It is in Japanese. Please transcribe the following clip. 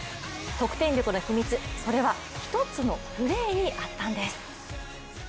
得点力の秘密、それは一つのプレーにあったんです。